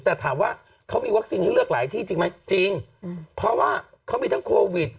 แต่ถามว่าเขามีวัคซีนให้เลือกหลายที่จริงไหมจริงเพราะว่าเขามีทั้งโควิด